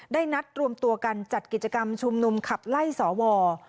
นัดรวมตัวกันจัดกิจกรรมชุมนุมขับไล่สว